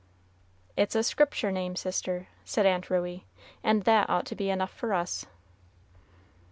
"It's a Scriptur' name, sister," said Aunt Ruey, "and that ought to be enough for us."